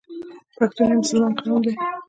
پښتون یو مسلمان قوم دی.